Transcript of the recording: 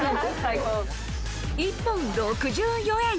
一本６４円。